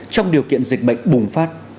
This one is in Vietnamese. trong điều kiện dịch bệnh bùng phát